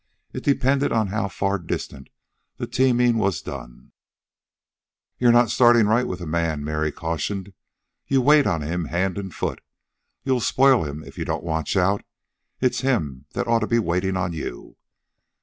It depended on how far distant the teaming was done. "You're not starting right with a man," Mary cautioned. "You wait on him hand and foot. You'll spoil him if you don't watch out. It's him that ought to be waitin' on you."